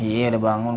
iya udah bangun